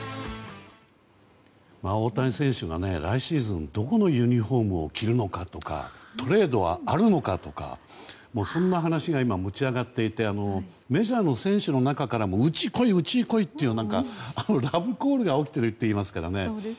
大谷選手が来シーズンどこのユニホームを着るのかとかトレードはあるのかとかそんな話が今、持ち上がっていてメジャーの選手の中からもうちに来い、うちに来いってラブコールが起きているといいますからね。